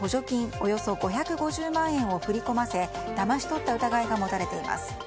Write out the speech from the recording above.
およそ５５０万円を振り込ませだまし取った疑いが持たれています。